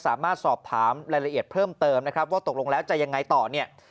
สามารถสอบถามรายละเอียดเพิ่มเติมนะครับว่าตกลงแล้วจะยังไงต่อเนี่ย